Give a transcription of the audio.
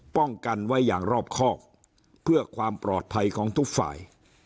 ป้องกันไว้อย่างรอบครอบเพื่อความปลอดภัยของทุกฝ่าย